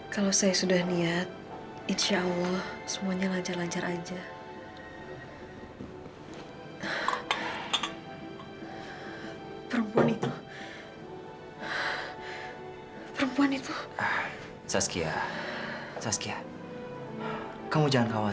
kalau saya sudah niat insya allah semuanya lajar lajar aja